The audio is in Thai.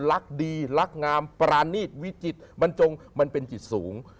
รักดีรักงามปรานีตวิจิตรบรรจงมันเป็นจิตสูง